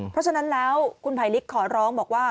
เพราะฉะนั้นแล้วคุณภัยลิกขอร้องบอกว่า